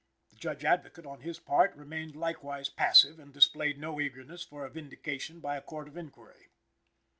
The Judge Advocate, on his part, remained likewise passive and displayed no eagerness for a vindication by a court of inquiry.